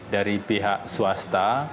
dari pihak swasta